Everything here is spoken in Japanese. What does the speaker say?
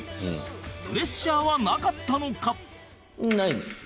プレッシャーはなかったのか？